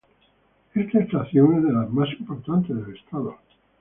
Esta estación es de las más importantes del estado.